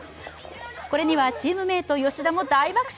これにはチームメート吉田も大爆笑。